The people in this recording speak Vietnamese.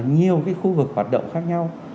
nhiều khu vực hoạt động khác nhau